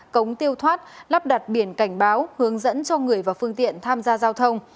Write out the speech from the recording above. cống tiêu thoát lắp đặt biển cảnh báo hướng dẫn cho người và phương tiện tham gia giao thông